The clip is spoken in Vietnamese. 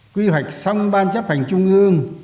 quy hoạch xong ban chấp hành trung ương